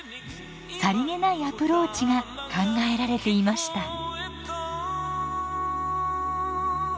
さりげないアプローチが考えられていました。